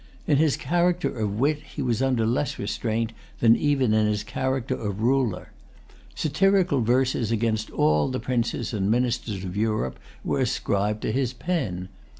In his character of wit he was under less restraint than even in his character of ruler. Satirical verses against all the princes and ministers of Europe were ascribed to his pen.